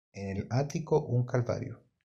En el ático, un Calvario.